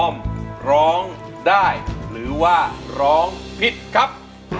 ร้องได้หรือว่าร้องผิดครับ